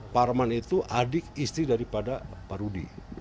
parman itu adik istri daripada pak rudi